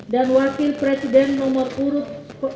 dan wakil presiden nomor urut dua